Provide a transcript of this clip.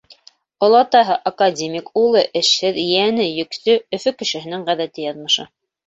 Олатаһы — академик, улы — эшһеҙ, ейәне — йөксө: Өфө кешеһенең ғәҙәти яҙмышы.